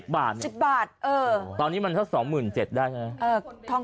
๑๐บาท๑๐บาทเออตอนนี้มันเท่าสองหมื่นเจ็ดได้ใช่ไหมเออทอง